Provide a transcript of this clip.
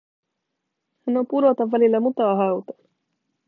Hän on pudota välillä mutahautaan.